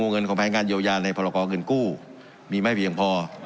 เงินของแผนงานเยียวยาในพรกรเงินกู้มีไม่เพียงพอ